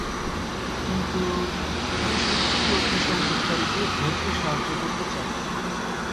কিন্তু, আমি সত্যিই অগ্নিসংযোগকারীকে ধরতে সাহায্য করতে চাই।